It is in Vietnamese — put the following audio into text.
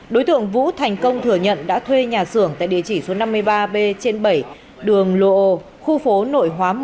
đối tượng vũ thành công thừa nhận đã thuê nhà xưởng tại địa chỉ số năm mươi ba b trên bảy đường lô khu phố nội hóa một